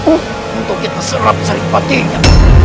untuk kita serap sering patinya